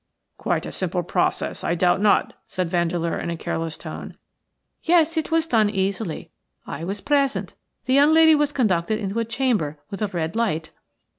"Quite a simple process, I doubt not," said Vandeleur, in a careless tone. "Yes, it was done easily – I was present. The young lady was conducted into a chamber with a red light."